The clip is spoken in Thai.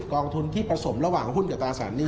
องทุนที่ผสมระหว่างหุ้นกับตราสารหนี้